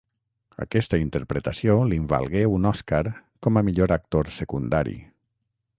Aquesta interpretació li'n valgué un Oscar com a Millor Actor Secundari.